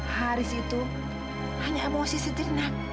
haris itu hanya emosi sendiri nan